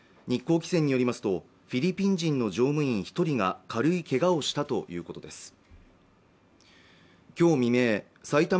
日興汽船によりますとフィリピン人の乗務員一人が軽いけがをしたということです